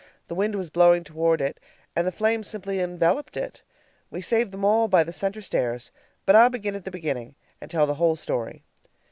The wind was blowing toward it, and the flames simply enveloped it. We saved them all by the center stairs but I'll begin at the beginning, and tell the whole story.